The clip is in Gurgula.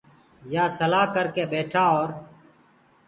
يآ سلآ ڪرَ ڪي ٻيٺآ اورَ